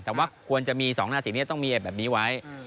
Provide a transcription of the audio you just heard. แต่ว่าควรจะมี๒ราศีที่จะต้องมีแบบนี้ไว้